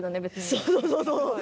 そうそうそうそう。